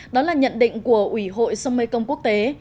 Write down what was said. đó là nhận định của ủy hội sông mekong quốc tế